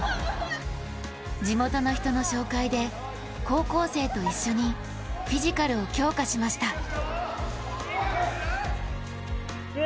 地元の人の紹介で高校生と一緒にフィジカルを強化しました。